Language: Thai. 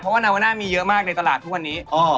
เพราะว่านาวาน่ามีเยอะมากในตลาดทุกวันนี้